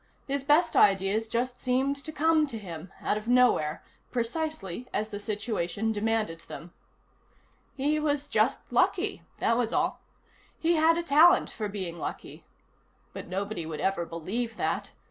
His best ideas just seemed to come to him, out of nowhere, precisely as the situation demanded them. He was just lucky, that was all. He had a talent for being lucky. But nobody would ever believe that.